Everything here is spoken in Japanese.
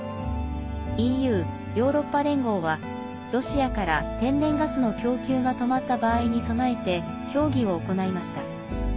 ＥＵ＝ヨーロッパ連合はロシアから天然ガスの供給が止まった場合に備えて協議を行いました。